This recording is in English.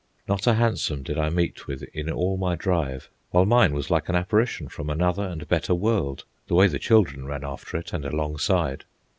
Not a hansom did I meet with in all my drive, while mine was like an apparition from another and better world, the way the children ran after it and alongside.